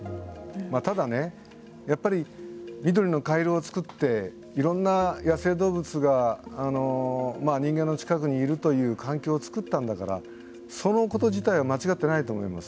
ただ、やっぱり緑の回廊を作っていろんな野生動物が人間の近くにいるという環境を作ったんだからそのこと自体は間違ってないと思います。